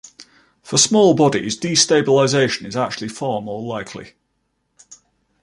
For small bodies, destabilization is actually far more likely.